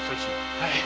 はい。